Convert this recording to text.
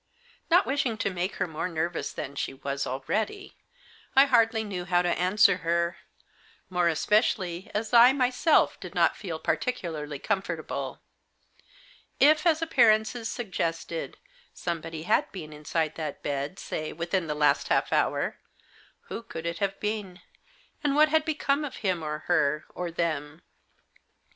Not wishing to make her more nervous than she was already, I hardly knew how to answer her ; more especially as I myself did not feel particularly comfort able. If, as appearances suggested, somebody had been inside that bed, say, within the last half hour, who could it have been ? and what had become of him or her, or them?